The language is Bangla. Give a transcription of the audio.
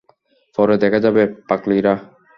পরে দেখা যাবে, পাগলীরা।